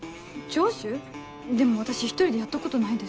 でも私１人でやったことないです。